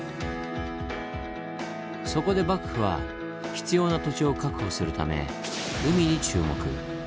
そこで幕府は必要な土地を確保するため海に注目。